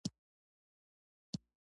همداسې دوام وکړي